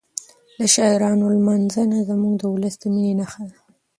د شاعرانو لمانځنه زموږ د ولس د مینې نښه ده.